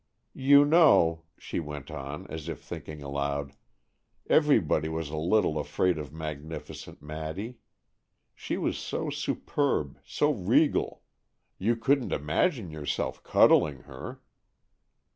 "You know," she went on, as if thinking aloud, "everybody was a little afraid of magnificent Maddy. She was so superb, so regal. You couldn't imagine yourself cuddling her!"